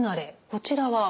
こちらは？